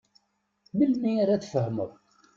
Melmi ara tfehmeḍ?